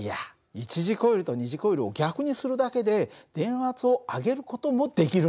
一次コイルと二次コイルを逆にするだけで電圧を上げる事もできるんだよ。